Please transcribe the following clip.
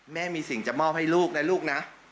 แม่มีสิ่งจะมอบให้ลูกนะลูกนะ